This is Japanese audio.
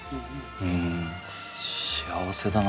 うん幸せだな